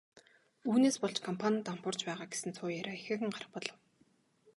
Үүнээс болж компани нь дампуурч байгаа гэсэн цуу яриа ихээхэн гарах болов.